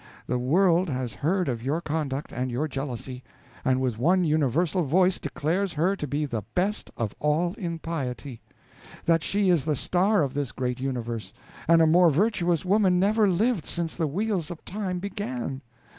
The world has heard of your conduct and your jealousy, and with one universal voice declares her to be the best of all in piety; that she is the star of this great universe, and a more virtuous woman never lived since the wheels of time began.